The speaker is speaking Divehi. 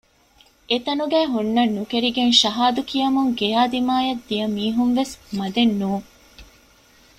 އެތަނުގައި ހުންނަން ނުކެރިގެން ޝަހާދު ކިޔަމުން ގެޔާ ދިމާއަށް ދިޔަ މީހުންވެސް މަދެއް ނޫން